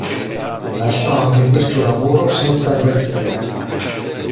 Lasciò anche questo lavoro senza avvertire.